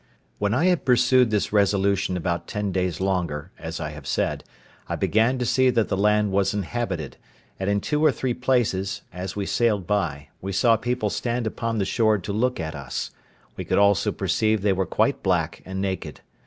When I had pursued this resolution about ten days longer, as I have said, I began to see that the land was inhabited; and in two or three places, as we sailed by, we saw people stand upon the shore to look at us; we could also perceive they were quite black and naked.